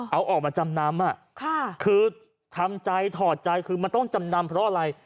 เอาออกมาจำนำคือทำใจถอดใจคือมันต้องจำนำเพราะอะไร